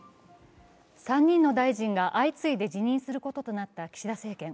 ３人の大臣が相次いで辞任することとなった岸田政権。